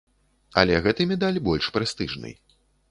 Але гэты медаль больш прэстыжны.